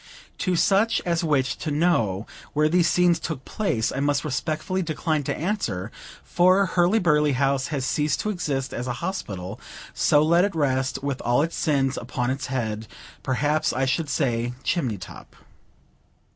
To such as wish to know where these scenes took place, I must respectfully decline to answer; for Hurly burly House has ceased to exist as a hospital; so let it rest, with all its sins upon its head, perhaps I should say chimney top.